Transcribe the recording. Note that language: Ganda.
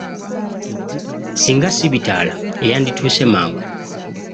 Singa si bitaala yandituuse mangu.